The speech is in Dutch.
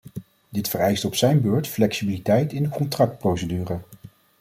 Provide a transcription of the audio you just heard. Dit vereist op zijn beurt flexibiliteit in de contractprocedure.